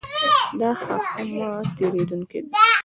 دا هښمه تېرېدونکې ده.